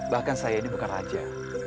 bahkan saya ini bukan raja